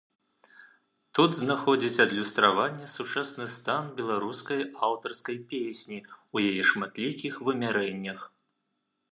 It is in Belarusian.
Тут знаходзіць адлюстраванне сучасны стан беларускай аўтарскай песні ў яе шматлікіх вымярэннях.